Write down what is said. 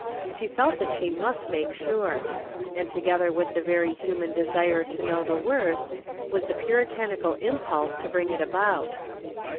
She felt that she must make sure. And together with the very human desire to know the worst, was the puritanical impulse to bring it about.